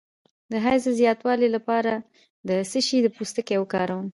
د حیض د زیاتوالي لپاره د څه شي پوستکی وکاروم؟